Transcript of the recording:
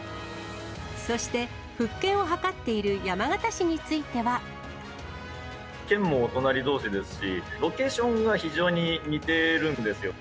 そして復権を図っている山形県も隣どうしですし、ロケーションが非常に似ているんですよ。